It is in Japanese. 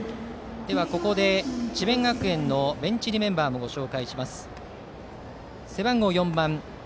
ここで智弁学園のベンチ入りメンバーもご紹介します。